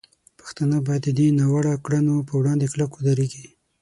پښتانه باید د دې ناوړه کړنو په وړاندې کلک ودرېږي.